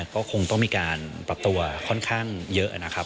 ก็คงต้องมีการปรับตัวค่อนข้างเยอะนะครับ